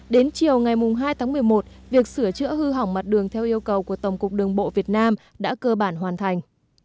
đến chiều ngày hai tháng một mươi một việc sửa chữa hư hỏng mặt đường theo yêu cầu của tổng cục đường bộ việt nam đã cơ bản hoàn thành